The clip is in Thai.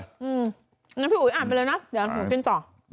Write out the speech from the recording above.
อันนี้พี่อุ๊ยอ่านไปเลยนะเดี๋ยวผมกินต่อ